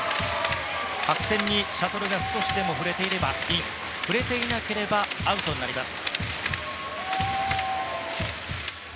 白線にシャトルが少しでも触れていればイン触れていなければアウトになります。